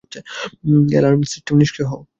Alarm system, নিষ্ক্রিয় হও।